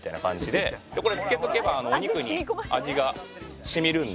でこれ漬けておけばお肉に味が染みるんで。